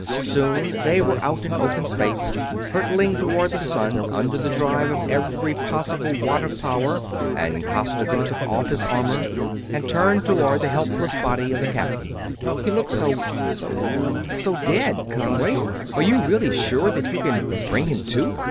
Soon they were out in open space, hurtling toward the sun under the drive of every possible watt of power, and Costigan took off his armor and turned toward the helpless body of the captain. "He looks so ... so ... so dead, Conway! Are you really sure that you can bring him to?"